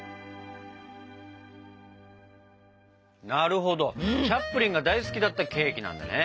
なるほどチャップリンが大好きだったケーキなんだね。